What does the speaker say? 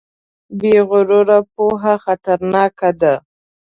بې غروره پوهه خطرناکه ده.